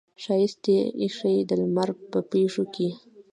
ښایست یې ایښې د لمر په پښو کې